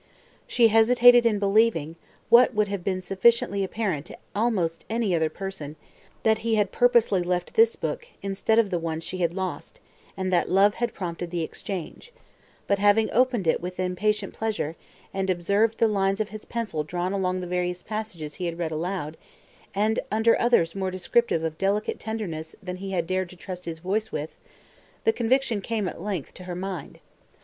She hesitated in believing, what would have been sufficiently apparent to almost any other person, that he had purposely left this book, instead of the one she had lost, and that love had prompted the exchange; but, having opened it with impatient pleasure, and observed the lines of his pencil drawn along the various passages he had read aloud, and under others more descriptive of delicate tenderness than he had dared to trust his voice with, the conviction came, at length, to her mind.